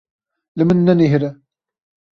Li min nenihêre!